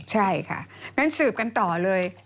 ใช่ค่ะงั้นสืบกันต่อเลย